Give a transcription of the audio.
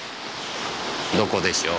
どこでしょう？